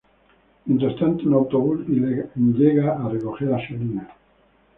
Mientras tanto, un autobús llega a recoger a Selina.